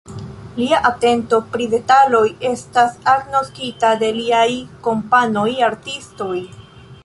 Lia atento pri detaloj estas agnoskita de liaj kompanoj artistoj.